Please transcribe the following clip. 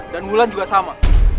dan wulan juga sama